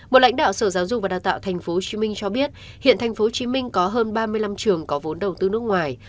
một lãnh đạo sở giáo dục và đào tạo tp hcm cho biết hiện tp hcm có hơn ba mươi năm trường có vốn đầu tư nước ngoài